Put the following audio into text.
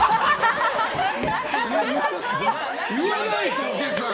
言わないと、お客さん！